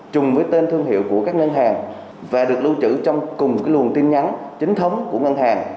chùng với tên thương hiệu của các ngân hàng và được lưu trữ trong cùng luồng tin nhắn chính thống của ngân hàng